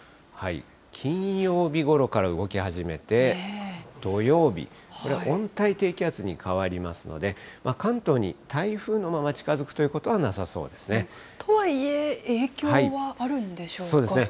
金曜日ごろから動き始めて、土曜日、温帯低気圧に変わりますので、関東に台風のまま近づくととはいえ、影響はあるんでしそうですね。